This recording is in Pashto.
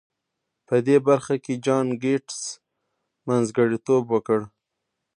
په دې برخه کې جان ګيټس منځګړيتوب وکړ.